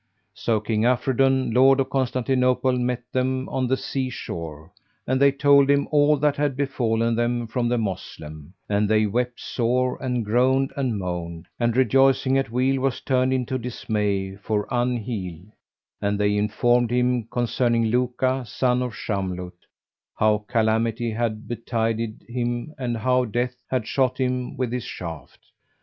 So King Afridun, Lord of Constantinople, met them on the sea shore, and they told him all that had befallen them from the Moslem, and they wept sore and groaned and moaned; and rejoicing at weal was turned into dismay for unheal; and they informed him concerning Luka son of Shamlut, how calamity had betided him and how Death had shot him with his shaft.